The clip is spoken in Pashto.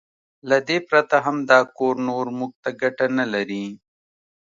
له دې پرته هم دا کور نور موږ ته ګټه نه لري.